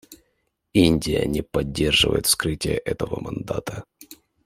Индия не поддерживает вскрытие этого мандата.